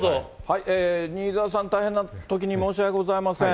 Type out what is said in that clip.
新沢さん、大変なときに申し訳ございません。